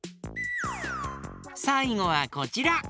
さいごはこちら。